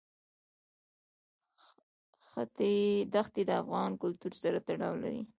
ښتې د افغان کلتور سره تړاو لري.